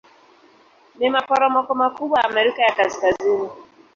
Ni maporomoko makubwa ya Amerika ya Kaskazini.